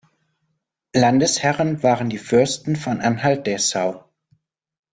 Landesherren waren die Fürsten von Anhalt-Dessau.